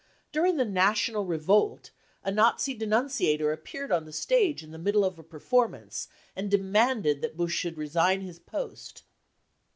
During the " national revolt/ 5 a Nazi denunciator appeared on the stage in the middle of a performance, and demanded that Busch should resign his post.